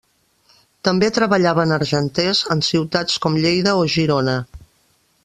També treballaven argenters en ciutats com Lleida o Girona.